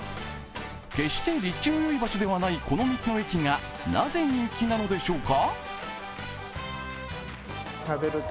決して立地のよい場所ではないこの道の駅がなぜ人気なのでしょうか？